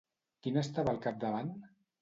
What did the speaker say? Qui n'estava al capdavant?